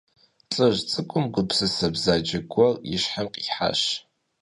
ЛӀыжь цӀыкӀум гупсысэ бзаджэ гуэр и щхьэм къихьащ.